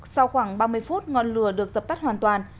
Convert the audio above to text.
sau khoảng ba mươi phút ngọn lửa được dập tắt hoàn toàn